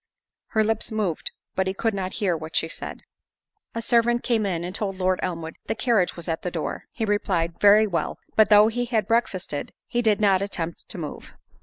Her lips moved, but he could not hear what she said. A servant came in, and told Lord Elmwood, "The carriage was at the door." He replied, "Very well." But though he had breakfasted, he did not attempt to move.